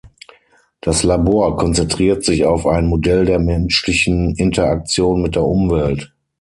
Das Labor konzentriert sich auf ein Modell der menschlichen Interaktion mit der Umwelt.